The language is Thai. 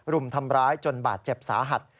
รุมทำร้ายจนบาดเจ็บสาหัส